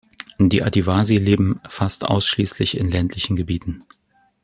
Die Adivasi leben fast ausschließlich in ländlichen Gebieten.